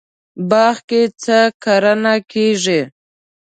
باغ کې څه کرنه کیږي؟